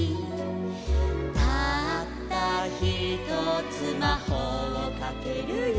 「たったひとつまほうをかけるよ」